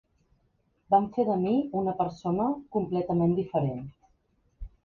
Van fer de mi una persona completament diferent.